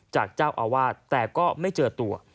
จากเจ้าอาวาสแต่ก็ไม่เจอตัว